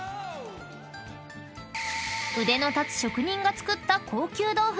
［腕の立つ職人が作った高級豆腐］